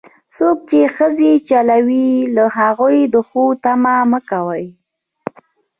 څوک چې ښځې چلوي، له هغو د ښو تمه مه کوه.